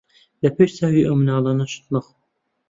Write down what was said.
لە پێش چاوی ئەو منداڵانە شت مەخۆ.